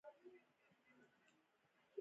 دلته یې اسلام خپور کړ او د دعوت کار یې وکړ.